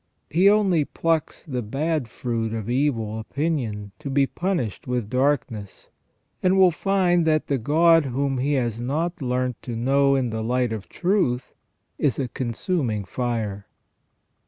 He only plucks the bad fruit of evil opinion to be punished with darkness, and will find that the God whom he has not learnt to know in the light of truth is a con suming fire."